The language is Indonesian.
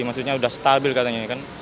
maksudnya sudah stabil katanya kan